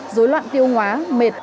dối loạn tiêu hóa mệt